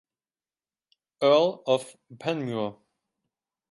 Earl of Panmure.